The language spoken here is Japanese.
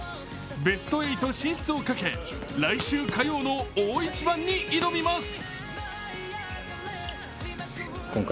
ベスト８進出をかけ来週火曜の大一番に臨みます。